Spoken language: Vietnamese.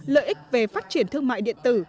lợi ích về phát triển thương mại điện tử